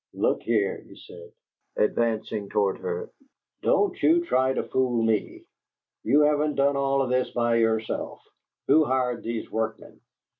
"Look here," he said, advancing toward her, "don't you try to fool me! You haven't done all this by yourself. Who hired these workmen?"